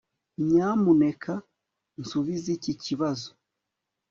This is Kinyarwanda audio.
nyamuneka nsubize iki kibazo